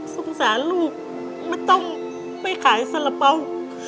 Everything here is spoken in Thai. สงสารลูกไม่ต้องไปขายสตรแรมเปิ้ล